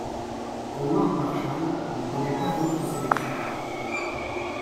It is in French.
Howard Marshall ne connaît pas d'autre sélection.